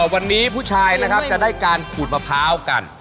วันนี้ผู้ชายนะครับจะได้การขูดมะพร้าวกัน